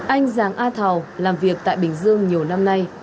anh giáng a thảo làm việc tại bình dương nhiều năm nay